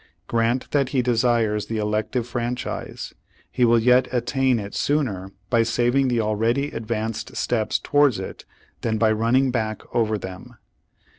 Grant that he desires the elective franchise. He will yet attain it sooner by saving the already advanced steps towards it than by running back over them.